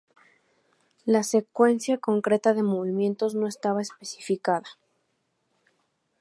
La secuencia concreta de movimientos no estaba especificada.